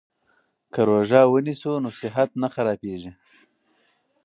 که روژه ونیسو نو صحت نه خرابیږي.